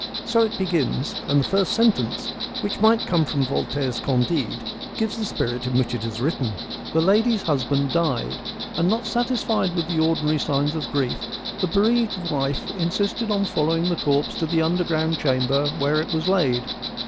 So it begins, and the first sentence, which might come from Voltaire's Candide, gives the spirit in which it is written. The lady's husband died, and not satisfied with the ordinary signs of grief, the bereaved wife insisted on following the corpse to the underground chamber where it was laid.